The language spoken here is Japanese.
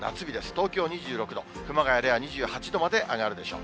東京２６度、熊谷では２８度まで上がるでしょう。